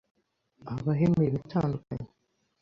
habaho imirimo itandukanye